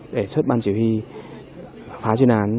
để xuất ban chỉ huy phá chuyên án